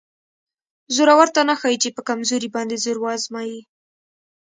زورور ته نه ښایي چې په کمزوري باندې زور وازمایي.